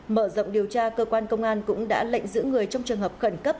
mở rộng điều tra cơ quan công an cũng đã lệnh giữ người trong trường hợp khẩn cấp